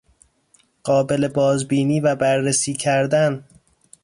قابل بازبینی و بررسی کردن